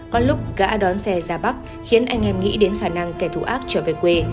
có lúc đã đón xe ra bắc khiến anh em nghĩ đến khả năng kẻ thù ác trở về quê